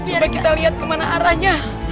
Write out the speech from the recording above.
coba kita lihat kemana arahnya